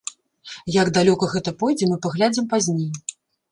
Як далёка гэта пойдзе, мы паглядзім пазней.